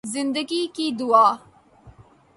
زندگی کی دعا